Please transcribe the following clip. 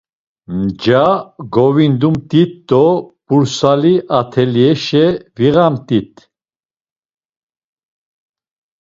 Nca govindumt̆it do P̌ursali atelyaşe viğamt̆it.